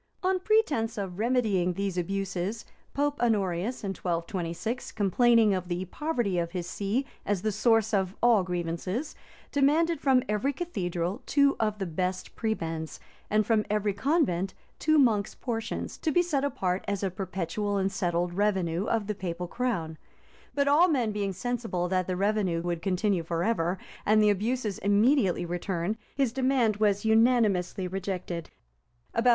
On pretence of remedying these abuses, Pope Honorius, in 1226, complaining of the poverty of his see as the source of all grievances, demanded from every cathedral two of the best prebends, and from every convent two monks' portions, to be set apart as a perpetual and settled revenue of the papal crown; but all men being sensible that the revenue would continue forever, and the abuses immediately return, his demand was unanimously rejected.